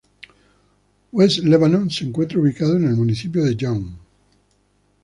West Lebanon se encuentra ubicado en el municipio de Young.